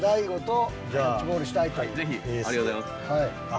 ぜひ！ありがとうございます。